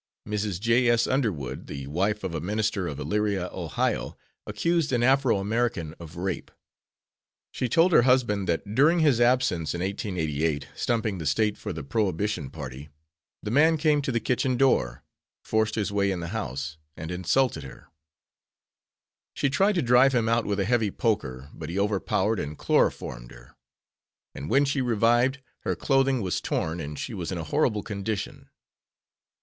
Mrs. J.S. Underwood, the wife of a minister of Elyria, Ohio, accused an Afro American of rape. She told her husband that during his absence in 1888, stumping the State for the Prohibition Party, the man came to the kitchen door, forced his way in the house and insulted her. She tried to drive him out with a heavy poker, but he overpowered and chloroformed her, and when she revived her clothing was torn and she was in a horrible condition.